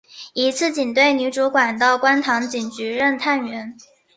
一次警队女主管到观塘警局任探员。